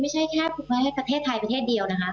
ไม่ใช่แค่การบังเอิญให้ประเทศไทยประเทศเดียวนะครับ